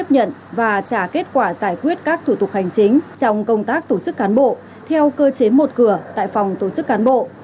công an tỉnh đắk lắc đã kết quả giải quyết các thủ tục hành chính trong công tác tổ chức cán bộ theo cơ chế một cửa tại phòng tổ chức cán bộ